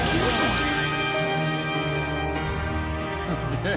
すげえ！